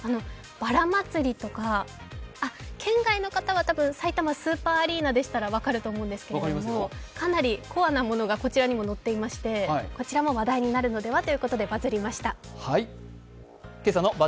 ばらまつりとか、県外の方は多分、さいたまスーパーアリーナでしたら分かると思うんですがかなりコアなものがこちらにも載っていましてこちらも話題になるのではということでバズりました。